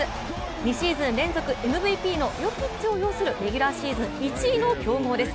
２シーズン連続ＭＶＰのヨキッチを擁するレギュラーシーズン１位の強豪です